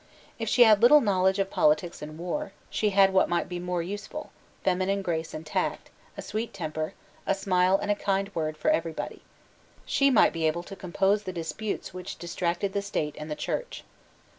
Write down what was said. If she had little knowledge of politics and war, she had what might be more useful, feminine grace and tact, a sweet temper, a smile and a kind word for every body. She might be able to compose the disputes which distracted the State and the Church.